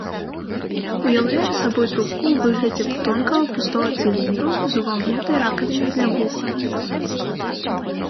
Уяўляе сабой трубку ў выглядзе тонкага пустога цыліндру з увагнутай ракавінай для вуха.